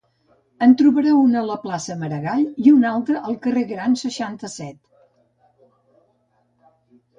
En trobarà una a la plaça Maragall i una altra al carrer Gran, seixanta-set.